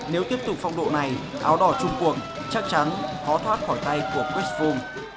nếu tiếp tục phong độ này áo đỏ trung quốc chắc chắn khó thoát khỏi tay của chris froome